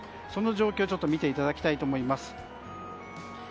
その状況を見ていただきたいと思います。